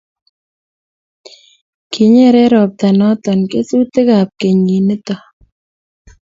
kinyere robto noto kesutikab kenyit nito